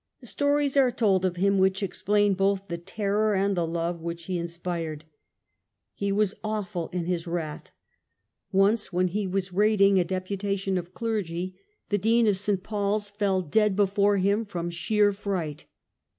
Stories are told of him which explain both the terror and the love that he inspired. He was awful in his wrath : once when he was rating a deputation of clergy, the Dean of S. Paul's fell dead before him from sheer fright.